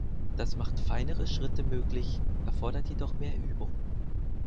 Das macht feinere Schnitte möglich, erfordert jedoch mehr Übung.